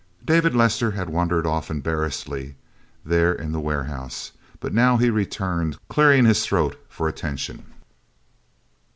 Dave Lester had wandered off embarrassedly, there in the warehouse. But now he returned, clearing his throat for attention.